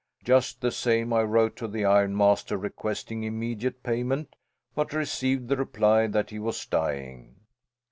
Just the same, I wrote to the ironmaster requesting immediate payment; but received the reply that he was dying.